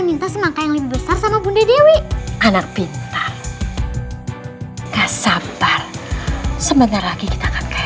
minta semangka yang lebih besar sama bunda dewi anak pintar gak sabar sebentar lagi kita akan kayak